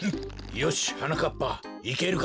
よしはなかっぱいけるか？